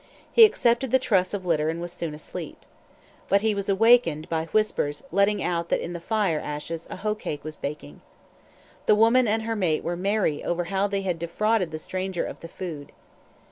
He accepted the truss of litter and was soon asleep. But he was awakened by whispers letting out that in the fire ashes a hoe cake was baking. The woman and her mate were merry over how they had defrauded the stranger of the food.